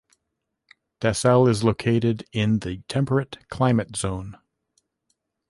Dassel is located in the temperate climate zone.